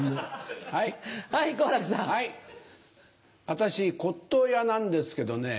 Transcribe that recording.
私骨董屋なんですけどね